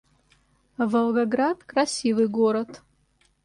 Волгоград — красивый город